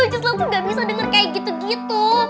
priscilla tuh gak bisa denger kayak gitu gitu